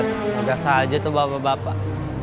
anjay agak sah aja tuh bapak bapak